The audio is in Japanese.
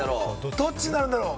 どっちになるんだろう？